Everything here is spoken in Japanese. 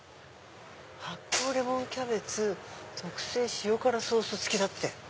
「発酵レモンキャベツ特製塩辛ソース付き」だって。